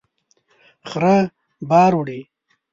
خره بار وړي